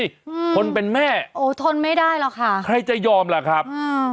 อืมคนเป็นแม่โอ้ทนไม่ได้หรอกค่ะใครจะยอมล่ะครับอ่า